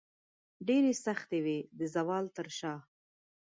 ډیرې سختې وې د زوال تر شاه